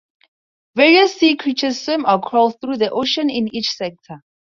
Various sea creatures swim or crawl through the ocean in each sector.